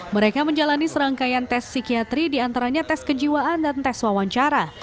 mereka menjalani serangkaian tes psikiatri diantaranya tes kejiwaan dan tes wawancara